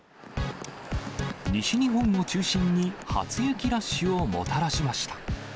西日本を中心に初雪ラッシュをもたらしました。